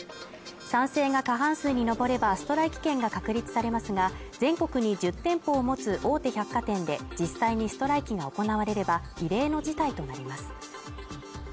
賛成が過半数に登ればストライキ権が確立されますが、全国に１０店舗を持つ大手百貨店で実際にストライキが行われれば異例の事態となります。